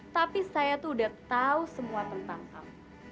tapi saya tuh udah tau semua tentang kamu